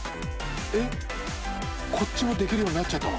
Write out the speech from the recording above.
こっちもできるようになっちゃったの？